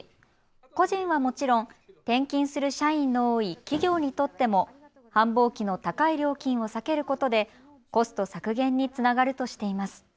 個人はもちろん転勤する社員の多い企業にとっても繁忙期の高い料金を避けることでコスト削減につながるとしています。